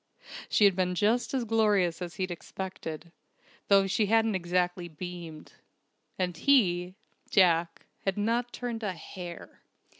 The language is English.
She had been just as glorious as he'd expected, though she hadn't exactly beamed. And he Jack had not turned a hair!